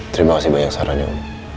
terimakasih banyak sarannya u